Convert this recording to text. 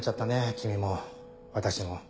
君も私も。